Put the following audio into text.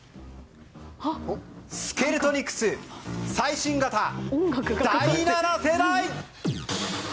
スケルトニクス最新型第７世代！